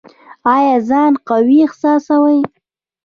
ایا ځان قوي احساسوئ؟